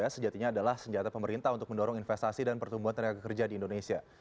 sejatinya adalah senjata pemerintah untuk mendorong investasi dan pertumbuhan tenaga kerja di indonesia